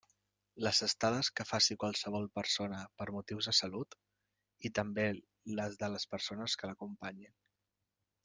Les estades que faci qualsevol persona per motius de salut, i també les de les persones que l'acompanyin.